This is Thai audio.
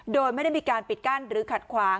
โดยไม่ได้มีการปิดกั้นหรือขัดขวาง